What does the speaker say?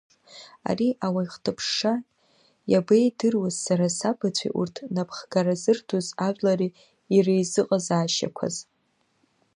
Ари ауаҩ хҭыԥшша иабеидыруаз сара сабацәеи урҭ напхгара зырҭоз ажәлари иреизыҟазаашьақәаз.